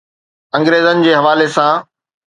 انگريزن جي حوالي سان.